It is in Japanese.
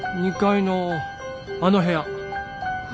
２階のあの部屋。